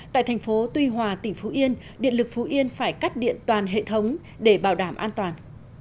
tại thành phố tuy hòa tỉnh phú yên điện lực phú yên phải cắt điện toàn hệ thống để bảo đảm an toàn